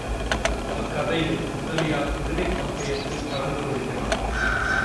அக்கதையில், முதலியார் குதிரைப் பந்தயத்தில் கலந்துகொள்கிறார்.